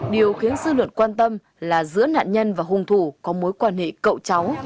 điều khiến dư luận quan tâm là giữa nạn nhân và hung thủ có mối quan hệ cậu cháu